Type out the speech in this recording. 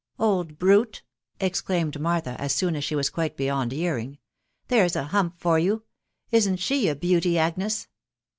"Old brute F* ... exclaimed Miss Martha, as soon as she was quite beyond hearing. ..*" There 's a hump for you !••• Isn't she a beauty, Agnes